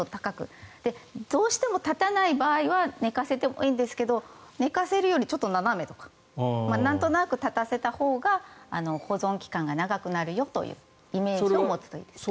どうしても立たない場合は寝かせてもいいんですが寝かせるよりちょっと斜めとかなんとなく立たせたほうが保存期間が長くなるよというイメージを持つといいです。